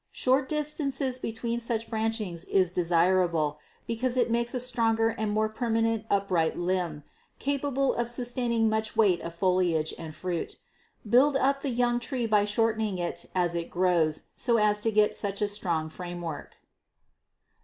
Short distances between such branchings is desirable, because it makes a stronger and more permanently upright limb, capable of sustaining much weight of foliage and fruit. Build up the young tree by shortening in as it grows, so as to get such a strong framework.